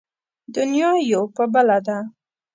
دنيا يو په بله ده.